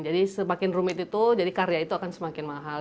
jadi semakin rumit itu jadi karya itu akan semakin mahal